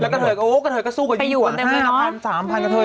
แล้วก็เธอก็สู้กันอยู่กว่า๕พัน๓พัน